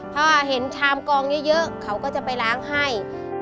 พอเห็นชามกองเยอะเขาก็จะไปล้างให้